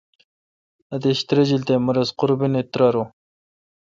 اتیش تریجیل تے مہ رس قربینی تہ تریارون۔